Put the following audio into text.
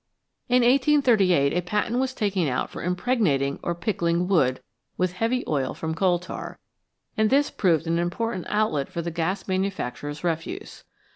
In 1838 a patent was taken out for impregnating or " pickling " wood with heavy oil from coal tar, and this proved an important outlet for the gas manufacturer's refuse.